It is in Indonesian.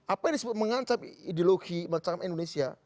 apa yang disebut mengancam ideologi macam indonesia